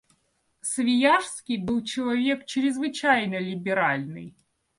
Свияжский был человек чрезвычайно либеральный.